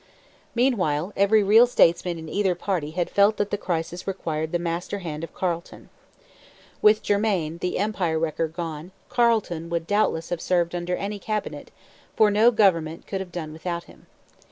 Meanwhile every real statesman in either party had felt that the crisis required the master hand of Carleton. With Germain, the empire wrecker, gone, Carleton would doubtless have served under any cabinet, for no government could have done without him.